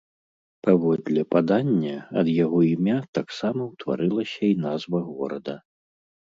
Паводле падання, ад яго імя таксама ўтварылася і назва горада.